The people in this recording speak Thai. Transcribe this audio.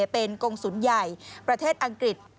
เป็นกงศูนย์ใหญ่ประเทศอังกฤษ